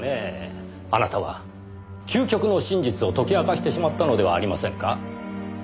あなたは究極の真実を解き明かしてしまったのではありませんか？